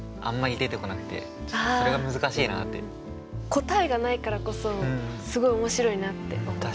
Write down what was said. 答えがないからこそすごい面白いなって思った。